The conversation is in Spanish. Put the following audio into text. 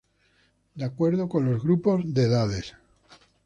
De acuerdo con los grupos de edades.